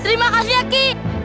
terima kasih aki